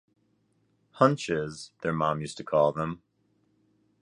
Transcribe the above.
“Hunches?” their mom used to call them.